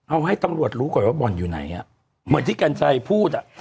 เอาให้ตำรวจรู้ก่อนว่าบ่อนอยู่ไหนอ่ะเหมือนที่กัญชัยพูดอ่ะ